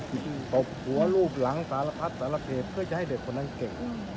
ตบหัวรูปหลังสารพัดสารเกตเพื่อจะให้เด็กคนนั้นเก่ง